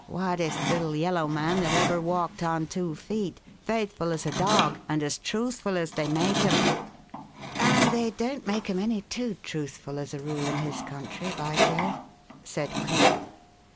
'Whitest' little yellow man that ever walked on two feet; faithful as a dog, and as truthful as they make 'em." "And they don't make 'em any too truthful, as a rule, in his country, by Jove!" said Cleek.